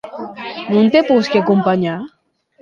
Non te posqui acompanhar?